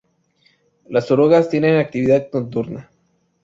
Las orugas tienen actividad nocturna.